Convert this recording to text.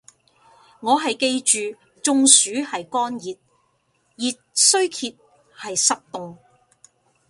我係記住中暑係乾熱，熱衰竭係濕凍